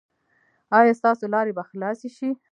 ایا ستاسو لارې به خلاصې شي؟